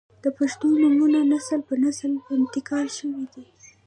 • د پښتو نومونه نسل پر نسل انتقال شوي دي.